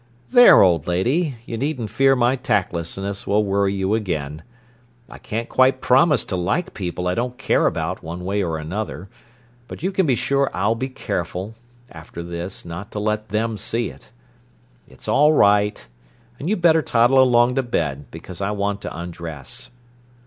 "There, old lady, you needn't fear my tactlessness will worry you again. I can't quite promise to like people I don't care about one way or another, but you can be sure I'll be careful, after this, not to let them see it. It's all right, and you'd better toddle along to bed, because I want to undress."